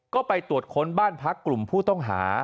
ก็ไปตรวจค้นบ้านพักกลุ่มผู้ต้องหา